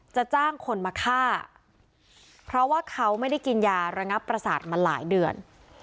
จ้างคนมาฆ่าเพราะว่าเขาไม่ได้กินยาระงับประสาทมาหลายเดือน